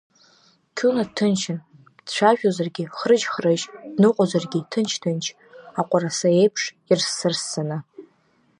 Қуна дҭынчын, дцәажәозаргьы хрыжь-хрыжь, дныҟуозаргьы ҭынч-ҭынч, аҟуараса еиԥш ирссарссаны.